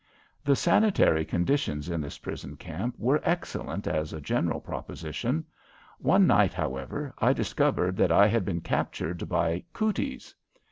The sanitary conditions in this prison camp were excellent as a general proposition. One night, however, I discovered that I had been captured by "cooties."